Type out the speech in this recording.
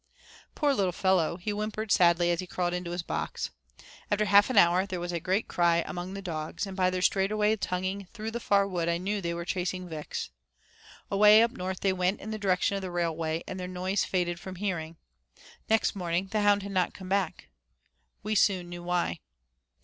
Poor little fellow, he whimpered sadly as he crawled into his box. After half an hour there was a great out cry among the dogs, and by their straight away tonguing through the far wood I knew they were chasing Vix. Away up north they went in the direction of the railway and their noise faded from hearing. Next morning the hound had not come back. We soon knew why.